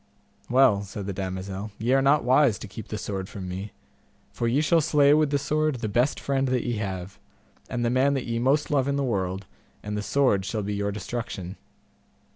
Well, said the damosel, ye are not wise to keep the sword from me, for ye shall slay with the sword the best friend that ye have, and the man that ye most love in the world, and the sword shall be your destruction.